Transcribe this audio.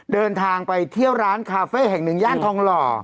เดินทางไปเที่ยวร้านคาเฟ่แห่งหนึ่งย่านทองหล่อ